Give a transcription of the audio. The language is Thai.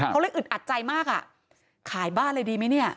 เขาเลยอึดอัดใจมากอ่ะขายบ้านเลยดีไหมเนี่ย